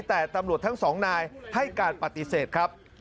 แต่ตำรวจทั้งสองนายให้การปฏิเสธครับ